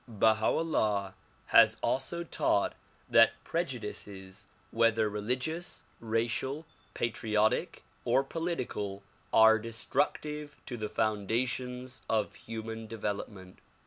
Baha 'Ullah has also taught that prejudices, whether religious, racial, patriotic or political are destructive to the foundations of human development.